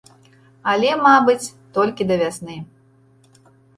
Але, мабыць, толькі да вясны.